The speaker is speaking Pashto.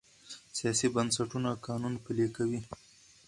سیاسي بنسټونه قانون پلي کوي